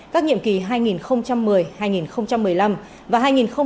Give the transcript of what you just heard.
các nhiệm kỳ hai nghìn một mươi hai nghìn một mươi năm và hai nghìn một mươi năm hai nghìn hai mươi